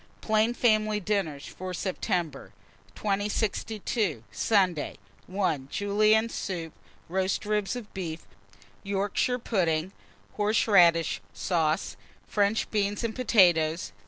PLAIN FAMILY DINNERS FOR SEPTEMBER. 2062. Sunday. 1. Julienne soup. 2. Roast ribs of beef, Yorkshire pudding, horseradish sauce, French beans, and potatoes.